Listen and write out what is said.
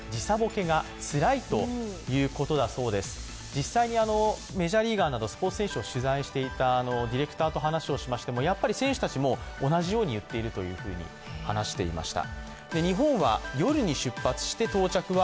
実際にメジャーリーガーなどスポーツ選手を取材していたディレクターと話をしましても選手たちも同じように言っていると話していました。